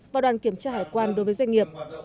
và đoàn kiểm tra hải quan đối với doanh nghiệp